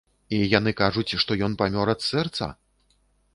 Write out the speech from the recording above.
І яны кажуць, што ён памёр ад сэрца?